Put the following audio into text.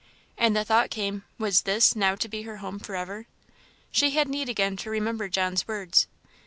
and the thought came, was this now to be her home for ever? She had need again to remember John's words.